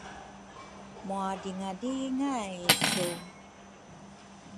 Mwadringadringay su?